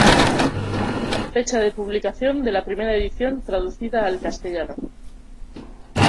Fecha de publicación de la primera edición traducida al castellano.